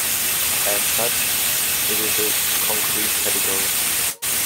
As such, it is a concrete category.